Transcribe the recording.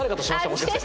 もしかして。